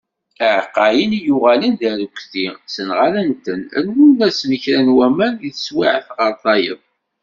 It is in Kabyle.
Iεeqqayen i yuγalen d arekti, senγadent-ten, rennunt-asen kra n waman deg teswiεet γer tayeḍ.